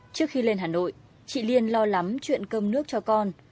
trước khi lên hà nội chị liên lo lắm chuyện cơm nước cho con